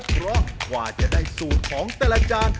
เพราะกว่าจะได้สูตรของแต่ละจาน